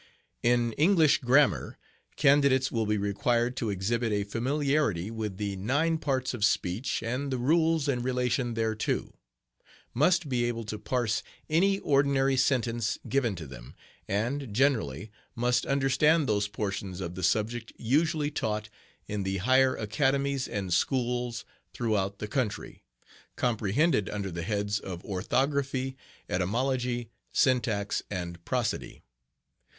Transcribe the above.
In ENGLISH GRAMMAR candidates will be required to exhibit a familiarity with the nine parts of speech and the rules in relation thereto; must be able to parse any ordinary sentence given to them, and, generally, must understand those portions of the subject usually taught in the higher academies and schools throughout the country, comprehended under the heads of Orthography, Etymology, Syntax, and Prosody.